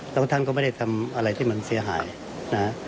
แล้วท่านก็ไม่ได้ทำอะไรที่มันเสียหายนะ